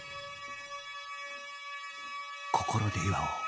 心で祝おう